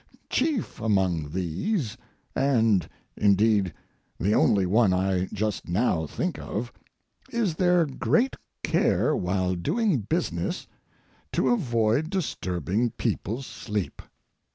Chief among these, and, indeed, the only one I just now think of, is their great care while doing business to avoid disturbing people's sleep.